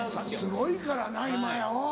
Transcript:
すごいからな今や。